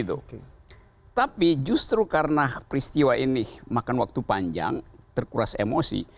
tapi justru karena peristiwa ini makan waktu panjang terkuras emosi